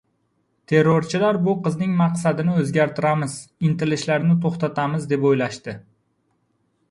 Terrorchilar bu qizning maqsadini o‘zgartiramiz, intilishlarini to‘xtatamiz deb o‘ylashdi.